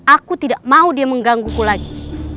aku tidak mau dia menggangguku lagi